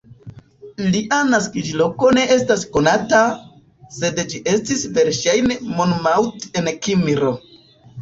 Lia naskiĝloko ne estas konata, sed ĝi estis verŝajne Monmouth en Kimrio.